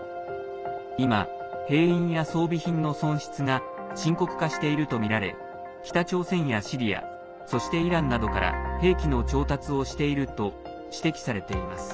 今、兵員や装備品の損失が深刻化しているとみられ北朝鮮やシリアそしてイランなどから兵器の調達をしていると指摘されています。